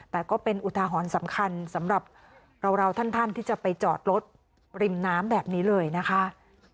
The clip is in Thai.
แต่ก็เป็นอุทาหรณ์สำคัญสำหรับเราท่านที่จะไปจอดรถริมน้ำแบบนี้เลยนะคะ